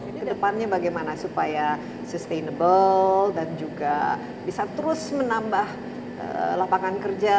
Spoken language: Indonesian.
jadi ke depannya bagaimana supaya sustainable dan juga bisa terus menambah lapangan kerja